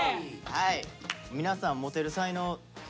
はい！